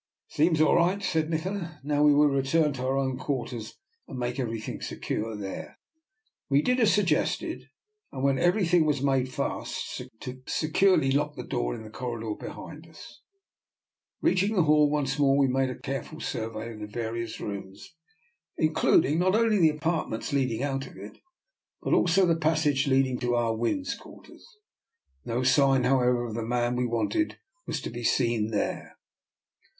" It seems all right," said Nikola. " Now we will return to our own quarters, and make everything secure there." We did as suggested, and when every \ DR. NIKOLA'S EXPERIMENT. 241 thing was made fast, securely locked the door in the corridor behind us. Reaching the hall once more, we made a careful survey of the various rooms, including not only the apart ments leading out of it, but also the passage leading to Ah Win's quarters. No sign, how ever, of the man we wanted was to be seen there.